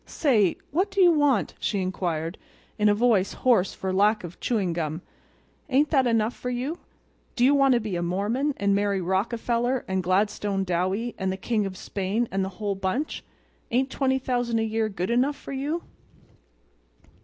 "Say, what do you want?" she inquired, in a voice hoarse for lack of chewing gum. "Ain't that enough for you? Do you want to be a Mormon, and marry Rockefeller and Gladstone Dowie and the King of Spain and the whole bunch? Ain't $20,000 a year good enough for you?"